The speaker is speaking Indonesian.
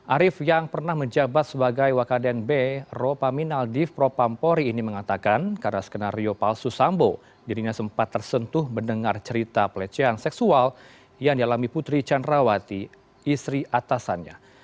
arief yang pernah menjabat sebagai wakaden b ropaminal div propampori ini mengatakan karena skenario palsu sambo dirinya sempat tersentuh mendengar cerita pelecehan seksual yang dialami putri candrawati istri atasannya